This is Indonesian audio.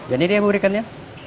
jadi ini bubur ikannya